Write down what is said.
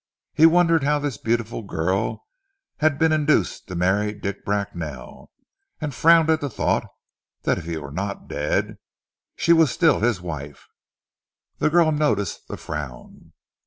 He wondered how this beautiful girl had been induced to marry Dick Bracknell, and frowned at the thought that if he were not dead, she was still his wife. The girl noticed the frown.